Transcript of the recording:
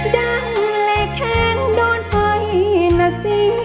ดังเลแข็งโดนไฟนะสิ